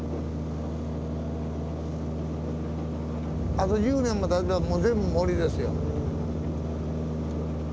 あと１０年もたてばもう全部森ですよ。